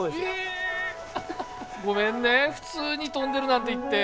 ごめんね普通に飛んでるなんて言って。